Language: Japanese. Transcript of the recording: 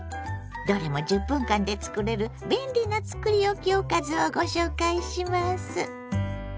どれも１０分間でつくれる便利なつくりおきおかずをご紹介します。